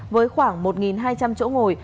với khoảng một hai trăm linh chỗ ngồi